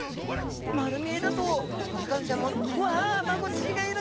丸見えだと小魚ちゃんも「うわマゴチがいる！